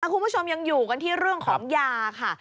คุณผู้ชมยังอยู่กันที่เรื่องของยาค่ะ